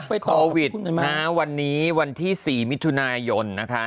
โควิดนะวันนี้วันที่๔มิถุนายนนะคะ